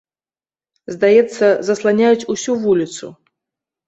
Здаецца, засланяюць усю вуліцу.